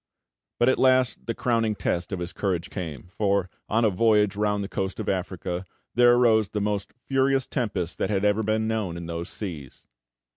But at last the crowning test of his courage came; for, on a voyage round the coast of Africa, there arose the most furious tempest that had ever been known in those seas.